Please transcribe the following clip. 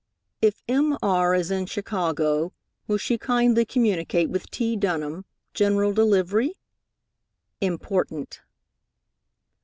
If M.R. is in Chicago, will she kindly communicate with T. Dunham, General Delivery? Important.